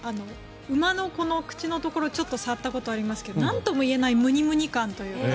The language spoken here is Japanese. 馬の口のところちょっと触ったことありますけどなんともいえないムニムニ感というか。